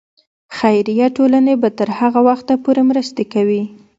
خیریه ټولنې به تر هغه وخته پورې مرستې کوي.